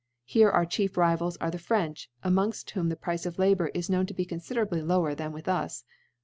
Here our chief Rivals are the French^ amongft whom the Price of Labour is known to be con&ier .ably lower than with us.